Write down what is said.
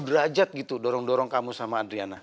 dulu seratus derajat gitu dorong dorong kamu sama adriana